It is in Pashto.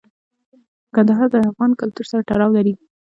کندهار د افغان کلتور سره تړاو لري.